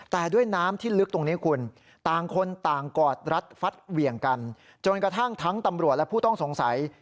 แต่ด้วยน้ำที่ลึกตรงนี้คุณต่างคนต่างกอดรัดฟัดเหวี่ยงกันจนกระทั่งทั้งตำรวจและผู้ต้องสงสัย